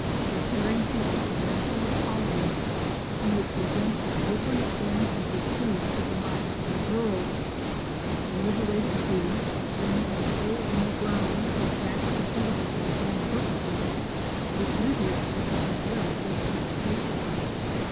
Repairing to a tarantula colony he would present the open end of the tube to the mouth of a burrow. The liberated bee, seeing a hole in the ground exactly suitable for its own purposes, would enter it with very little hesitation.